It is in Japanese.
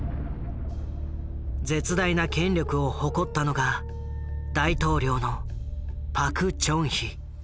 絶大な権力を誇ったのが大統領のパク・チョンヒ。